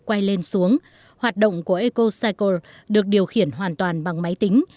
quay lên xuống hoạt động của ecocycle được điều khiển hoàn toàn bằng máy tính